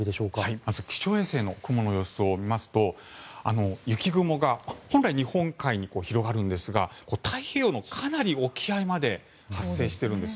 まず気象衛星の雲の様子を見ますと雪雲が本来、日本海に広がるんですが太平洋のかなり沖合まで発生しているんです。